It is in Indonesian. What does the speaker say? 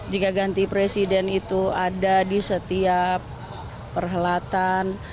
jika ganti presiden itu ada di setiap perhelatan